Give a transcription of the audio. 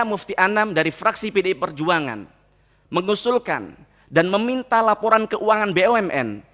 mufti anam dari fraksi pdi perjuangan mengusulkan dan meminta laporan keuangan bumn